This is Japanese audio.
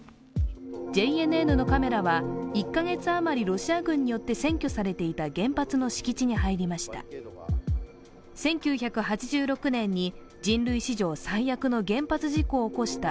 ＪＮＮのカメラは１カ月あまりロシア軍によって占拠されていた原発の敷地に入りました。